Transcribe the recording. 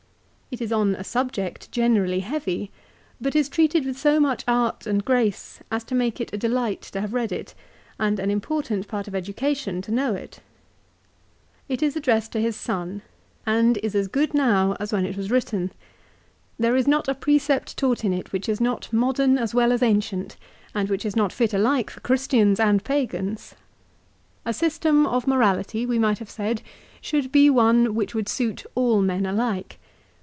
It is on a subject generally heavy, but is treated with so much art and grace as to make it a delight to have read it, and an important part of education to know it. It is addressed to his son, and is as good 1 De Ainicitia, ca. xix. 384 LIFE OF CICERO. now as when it was written. There is not a precept taught in it which is not modern as well as ancient, and which is not fit alike for Christians and Pagans. A system of morality, we might have said, should be one which would suit all men alike.